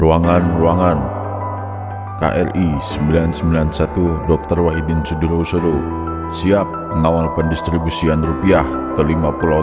ruangan ruangan kri sembilan ratus sembilan puluh satu dokter wahidin sudirosodo siap mengawal pendistribusian rupiah ke lima pulau